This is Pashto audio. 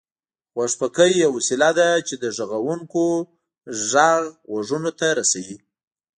غوږيکې يوه وسيله ده چې د غږوونکي غږ غوږونو ته رسوي